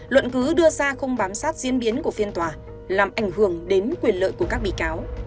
luận cứ đưa ra không bám sát diễn biến của phiên tòa làm ảnh hưởng đến quyền lợi của các bị cáo